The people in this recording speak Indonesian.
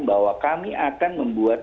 bahwa kami akan membuat